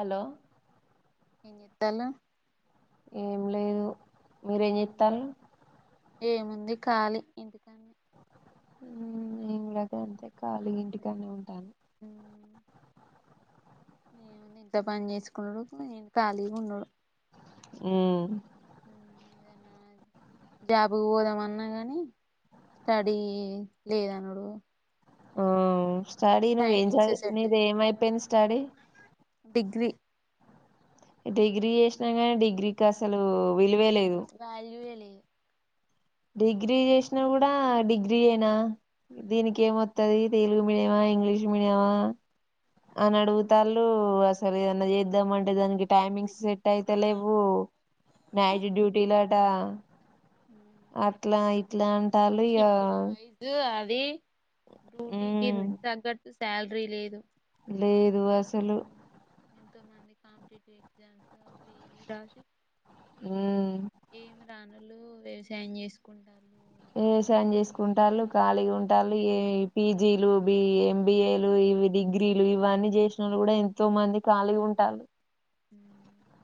Hello ఏం జేత్తానా ఏం లేదు మీరేం జేత్తాల్లు ఏం ఉంది ఖాలి ఇంటికాన్నే ఊ నేను కూడ గంతే ఖాళీ ఇంటికానే ఉంటాను ఊ ఏముంది ఇంట్లో పని చేసుకునుడు నేను ఖాళీగా ఉండుడు ఉమ్ జాబుకి పోదామన్నా గానీ స్టడీ లేదనుడు ఓ స్టడీ నువ్వేం టైమింగ్స్ జదివి సెట్ నీది ఏమైపోయింది స్టడీ డిగ్రీ డిగ్రీ చేసినా కానీ డిగ్రీకి అసలు విలువే లేదు వాల్యూయే లేదు డిగ్రీ చేసినా కూడా డిగ్రీయేనా దీనికి ఏమొత్తది తెలుగు మీడియమా ఇంగ్లీష్ మీడియమా అని అడుగుతాళ్ళు అసలు ఏదన్నా చేద్దాంమంటే దానికి టైమింగ్స్ సెట్ అయిత లేవు. నైటు డ్యూటీలటా అట్లా ఇట్లా అంటాళ్ళు యా దీ డ్యూటీకిి తగ్గట్టు శాలరీ లేదు లేదు అస్సలు ఎంతో మంది కాంపిటీటివ్ ఎగ్జామ్స్ అవి ఇవి రాసి ఉమ్ లు వ్యవసాయం చేసుకుంటారు వ్యవసాయం చేసుకుంటాళ్ళు ఖాళీగా ఓన్గా ఉంటాళ్ళు బిజినెస్ ఏ చేసుకుంటారు పీజీలు బి ఎం బీ ఏ లు ఇవి డిగ్రీలు ఇవన్నీ చేసినోళ్ళు కూడా ఎంతో మంది ఖాళీగ ఉంటాళ్ళు హ్మ్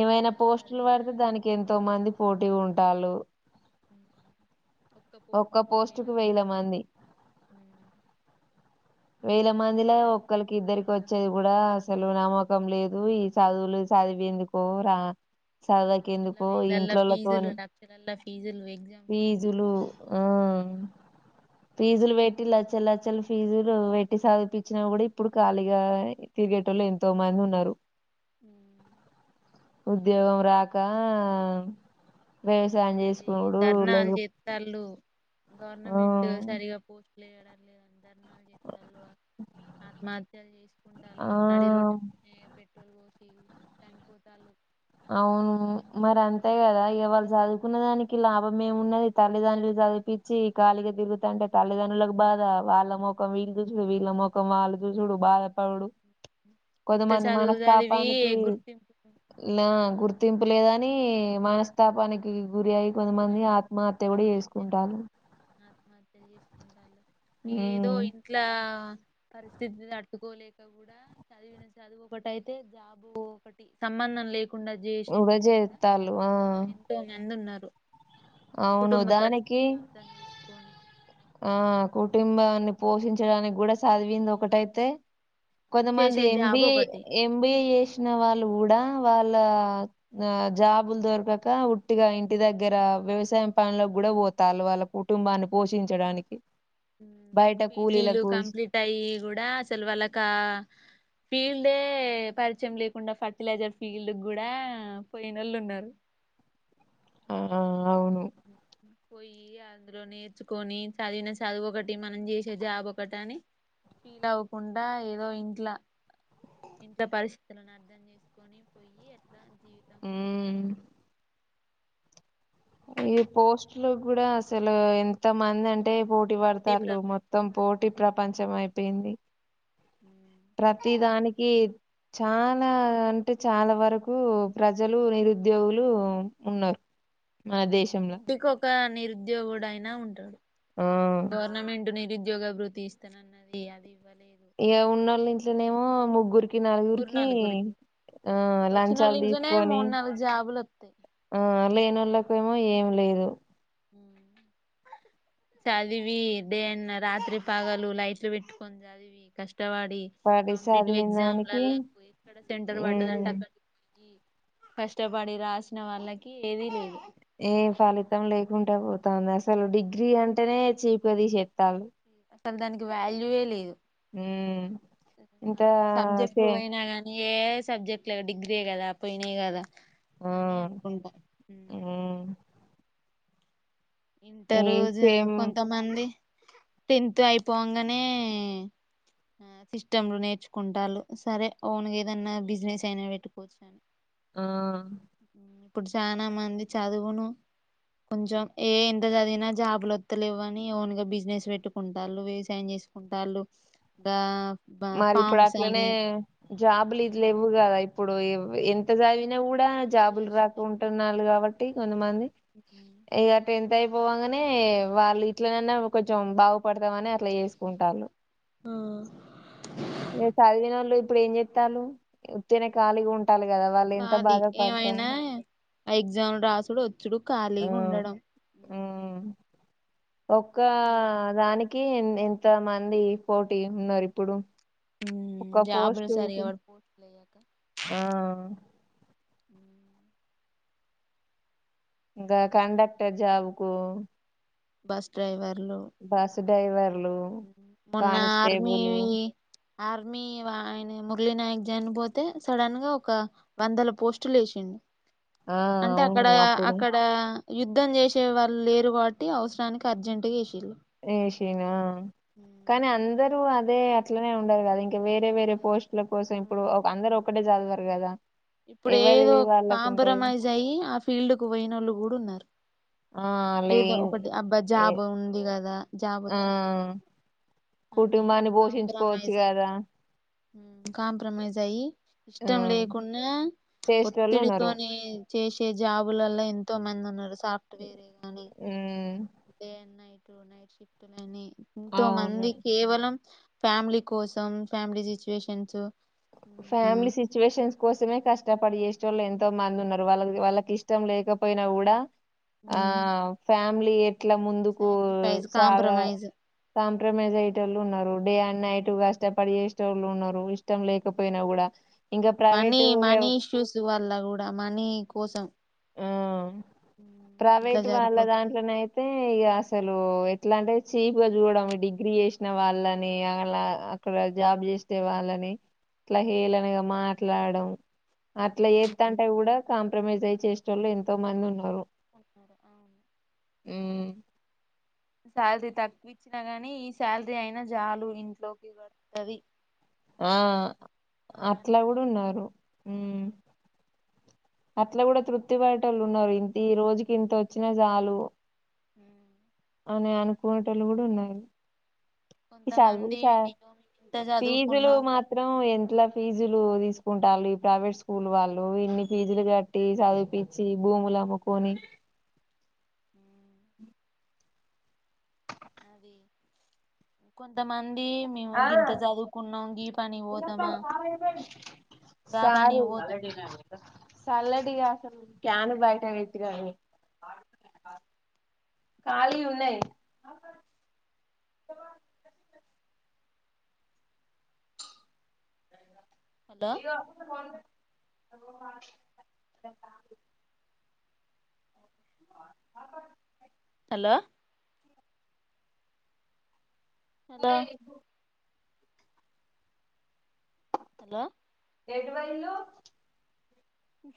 ఏమైనా పోస్టులు పడితే దానికి ఎంతో మంది పోటీ ఉంటాళ్ళు ఒక్క పోటుకు పోస్ట్ కు వేల వేలల్లా మంది వేల ఎంత మందిలో చదివిన ఒక్కరికి ఇద్దరికి వచ్చేది కూడా అసలు నమ్మకం లేదు ఈ చదువులు చదివేందుకు రా చదవక మళ్ళ ఎందుకు ఈ వేలల్లా ఇంట్లోళ్ళకు ఫీజులు అని లక్షలల్లా ఫీజులు వే ఫీజులు హ్మ్ ఫీజులు పెట్టి లచ్చలు లచ్చలు ఫీజులు పెట్టి సదివిపించినా కూడా ఇప్పుడు ఖాళీగా తి తిరిగేటోళ్ళు ఎంతో మంది ఉన్నారు ఉద్యోగం రాక వ్యవసాయం అది చేసుకో ధర్నాలు చేస్తళ్ళు ఆ గవర్నమెంట్ సరిగా పోస్ట్లు వేయడం లేదండి [unintelligible] ఆత్మహత్యలు ఆ చేసుకుంటళ్ళు నడి రోడ్ పె [inaudible] అవును మరి అంతే కదా ఇవాళ్ళ చదువుకున్న దానికి లాభం ఏమున్నది తల్లిదండ్రులు చదివిపిచ్చి ఖాళీగా తిరుగుతంటే తల్లిదండ్రలకు బాధ వాళ్ళ ముఖం వీళ్ళు చూసు వీళ్ళ ముఖం వాళ్ళు చూసుడు బాధపడు ఇంత కొంతమంది చదువు చదివి మనస్తాపానికి గుర్తింపు నా గుర్తింపు లేదని లేదు మనస్తాపానికి గురి అయి కొంతమంది గురయ్యి ఆత్మహత్య కూడా ఆత్మహత్య చేసుకుంటారు ఆత్మహత్యలు ఏదో ఇంట్ల పరిస్థితి తట్టుకోలేక కూడా చదివిన చదువు ఒకటిైతే జాబు ఒకటి సంబంధం లేకు కాకుండా చేసేటోళ్ళు కూడా చేత్తాలు ఆ కొంత ఎంతో మంది ఉన్నారు అవును కుటుంబ దానికి పరిస్థితులు అర్థం చేసుకొని ఆ కుటుంబాన్ని పోషించడానికి కూడా చదివింది ఒకటైతే కొంతమంది చేసే జాబ్ ఎంబిఏ ఒకటి ఎంబిఏ చేసి వాళ్ళు కూడా వాళ్ళ జాబులు దొరకక ఉట్టిగా ఇంటి దగ్గర వ్యవసాయం పనుకి కూడా పోతారు వాళ్ళ కుటుంబాన్ని పోషించడానికి బయట పీజీలు కూలీలకు కంప్లీట్ అయ్యి కూడా అసలు వాళ్ళకా ఫీల్డ్ అే పరిచయం లేకుండా ఫర్టిలైజర్ ఫీల్డ్ కూడా పోయినళ్ళు ఉన్నారు ఆ అవును పోయి అందులో నేర్చుకొని చదివిన చదువు ఒకటి మనం చేసే జాబ్ ఒకటి అని ఫీల్ అవ్వకుండా ఏదో ఇంట్లా ఇంత పరిస్థితులను అర్థం చేసుకొని పోయి జీవితం కూడా ఉమ్ ఈ పోస్ట్ లో కూడా అసలు ఎంత మంది అంటే అంటే పోటీ వడతారు మొత్తం పోటీ ప్రపంచం అయిపోయింది ఉ ప్రతి దానికి చాలా అంటే చాలా వరకు ప్రజలు నిరుద్యోగులు ఉన్నారు మన దేశంలో ఇంటిక ఒక నిరుద్యోగుడు అయినా ఉంటాడు ఆ గవర్నమెంట్ నిరుద్యోగ అభివృద్ధి ఇస్తానన్నది అది ఇవ్వలేదు ఇ ఉన్నోళ్ళ సరే ఇంట్లోనేమో ముగ్గురికి నలుగురికి ఆ వచ్చినోళ్ళ లంచాలు ఇంట్లోనే తీసుకొని మూడు నాలుగు జాబులు వత్తాయి ఆ లేనోళ్ళకి ఏమో మో ఏం లేదు హ చదివి దేన్ రాత్రి పగలు ైట్లు విట్కొ చదివి కష్ట వాడి పడి కాంపిటేటివ్ చదివిన ఎగ్జామ్ దానికి లకు ఎక్కడ సెంటర్ ఉమ్, పడ్డదంట అక్కడియి కష్టపడి రాసిన వాళ్ళకి ఏదీ లేదు ఏ ఫలితం లేకుండా పోతుంది అసలు డిగ్రీ అంటేనే చయకదు చెత్తాలు అసలు దానికి వాల్యూవే లేదు హ్మ్ ఇంత ఆ సే సబ్జెక్ట్లు పోయినా కానీ ఏ సబ్జెక్ట్ డిగ్రీే కదా పోయిన కదా ఆ! అని అనుకుంటాం హ్మ్. ఇంట ఈ రోజు సేమ్ కొంతమంది టెన్త్ అయిపోంగనే ఆ సిస్టమ్లు నేర్చుకుంటారు సరే అవున్ ఏదన్నా బిజినెస్ అయినా పెట్టుకోవచ్చాను ఆ ఇప్పుడు చాలా మంది చదువును కొంచెం ఏ ఎంత చదివినా జాబులు వత్తలేవు అని ఓన్ గా బిజినెస్ పెట్టుకుంటారు వ్యవసాయం చేసుకుంటారుు ద మరి ఇప్పుడు అట్లనే జాబులు ఇది లే ఇవ్వు కదా ఇప్పుడు ఎంత చదివిన కూడా జాబులు వేస్టే రాకుకుంటున్నారు కాబట్టి కొంతమంది ఇక టెన్త్ ఇ అయిపోవగానే వాళ్ళు ఇట్లనైనా కొంచెం బాగుపడతామని అట్లా చేసుకుంటారు చదివిన వాళ్ళు ఇప్పుడు ఏం చెస్తాలు ఉత్తర్నే ఖాళీగా ఉంట పట్టాలి కదా వాళ్ళు ఎంత ఖాళీ బాధ పడతారు ఏమైనా ఎగ్జామ్ రాసుడు వచ్చుడు ఖాళీగా ఉండడం ఆ ఒక్క దానికి ఎన్ ఎంత మంది పోటీ ఉన్నారు ఇప్పుడు ఒక్క పోస్ట్ జాబులు సరిగా కు ఎవరు పోస్టులు ఆ ఉమ్ గ కండక్టర్ జాబ్ కు బస్ డ్రైవర్లు డైవర్ మొన్న ఆర్మీ వీ ఆర్మీ వా ఆయన మురళీనాయక్ జానీ పోతే సడన్ గా ఒక వందల పోస్టులు ఏషిండు ఆ అంటే అక్కడ అవును అప్పుడు అక్కడ యుద్ధం చేషే వాళ్ళు లేరు కావట్టి అవసరానికి అర్జెంట్గా ఏశిల్లు ఏషీనా కానీ అందరూ అదే అట్లనే ఉండారు కదా ఇం ఇంకా వేరే వేరే ఉండరు పోస్ట్ల కోసం ఇప్పుడు అందరు ఒకటే చదవరు కదా ఇప్పుడు ఎవరి ఏదో వాళ్ళకు ఉంటది కాంప్రమైజ్ అయ్యి ఆ ఫీల్డ్ కు పోయిన ఓళ్ళు కూడా ఉన్నారు. ఆ ఏదో లేన్ ఒకటి అబ్బా ఏ జాబ్ ఉంది కదా జాబ్ ఆ వత్తది కదా అని కుటుంబాన్ని పోషించుకోవచ్చు కాంప్రమైజ్ అయి కదా కాంప్రమైజ్ అయ్యి ఆ ఇష్టం లేకుండా చేసేటోళ్ళు ఉన్నారు ఒత్తిడితోని చేషే జాబులలో ఎంతో మంది ఉన్నారు సాఫ్ట్ వేర్ ఏ గాని హ్మ్ day and night night shift లని ఎంతో అవును మంది కేవలం ఫ్యామిలీ కోసం ఫ్యామిలీ సిచ్యువేషన్స్ ఫ్యామిలీ సిచ్యువేషన్స్ కోసమే కష్టపడి ఎషేటోళ్ళు ఎంతో మంది ఉన్నారు వాళ్ళ వాళ్ళక్ ఇష్టం లేకపోయినా కూడా ఆ ఫ్యామిలీయే ఇట్లా ముందుకు సాక్రిఫైజ్ సాగా కాంప్రమైజ్ కాంప్రమైజ్ అయటోళ్ళు ఉన్నారు. డే అండ్ నైట్ కష్టపడి ఎష్టోళ్ళు ఉన్నారు ఇష్ ఇష్టం లేకపోయినా కూడా ఇంకా మనీ ప్రైవేటు వవ్ మనీ ఇష్యూస్ వల్ల కూడా మనీ కోసం ఇట్లా ప్రైవేట్ వాళ్ళ జరిపోతలేదు దాంట్లోనో అయితే ఇగ అసలు ఎట్లా అంటే చీప్ గా చూడడం డిగ్రీ చేసిన వాళ్ళని అలా అక్కడ జాబ్ చేసే వాళ్ళని అట్లా హేలనగా మాట్లాడడం అట్లా ఉ ఎత్తంటే కూడా కాంప్రమైజ్ అయి చేష్ చలో ఎంతో మంది ఉన్నారు. అంట [inaudible] అవును ఏ శాలరీ తక్కువ ఇచ్చినా గాని ఈ శాలరీ అయినా చాలు ఇంట్లోకి పడుతది. ఆ అట్లా కూడా చేసిన ఉన్నారు ఊమ్ అట్లా కూడా తృప్తి బడే వాళ్ళు ఉన్నారు. ఇంత ఈ రోజుకి ఇంత వచ్చినా జాలు హ్మ్ అనే అనుకునేటోళ్ళు గుడా ఉన్నారు. ఈ చదువులు కొంతమంది స అయ్యో మేము ఇంత ఫీజులు చదువుకున్నాం మాత్రం ఎంట్లక్ ఫీజులు తీసుకుంటారు ఈ ప్రైవేట్ స్కూల్ వాళ్ళు ఇన్ని ఫీజులు కట్టి చదివిపిచ్చి భూములు కబుకుని ఉమ్ అది కొ కొంతమంది మేము ఆ ఇంత చదువుకున్నాం గీ పనిగి పోతామా గా సాలు పనికి పోతామా సాలటియ అసలు క్యాను బయట వెట్టి రార్రి కాలి ఉన్నాయి. హలో ఇగో [inaudible] హలో సరే ఇవ్వు హలో ఏడు వైలు